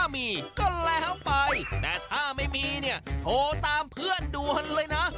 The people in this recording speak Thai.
มีก็แล้วไปแต่ถ้าไม่มีเนี่ยโทรตามเพื่อนด่วนเลยนะ